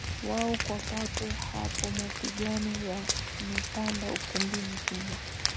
wao Kwa papo hapo mapigano yametanda ukumbi mzima